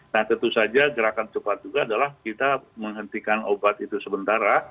nah tentu saja gerakan cepat juga adalah kita menghentikan obat itu sementara